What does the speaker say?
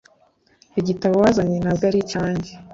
Igitabo wazanye ntabwo ari icyanjye